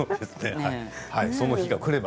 その日がくれば。